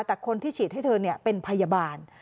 แต่คนที่ฉีดให้เธอเป็นพยาบาล